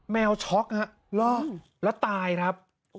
แมวช็อกฮะลอกแล้วตายครับ